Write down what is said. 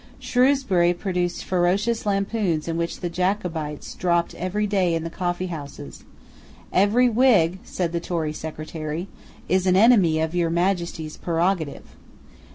Shrewsbury produced ferocious lampoons which the Jacobites dropped every day in the coffeehouses. "Every Whig," said the Tory Secretary, "is an enemy of your Majesty's prerogative."